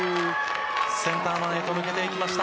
センター前へと抜けていきました。